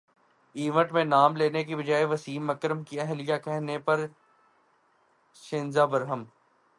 event میں نام لینے کے بجائے وسیم اکرم کی اہلیہ کہنے پر شنیرا برہم